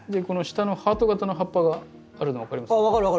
この下のハート形の葉っぱがあるの分かりますか？